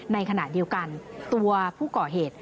ในขณะเดียวกันตัวผู้ก่อเหตุ